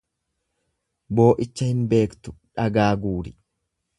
Boo'icha hin beektu dhagaa guuri.